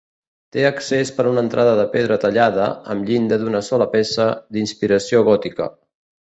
Té accés per una entrada de pedra tallada, amb llinda d'una sola peça, d'inspiració gòtica.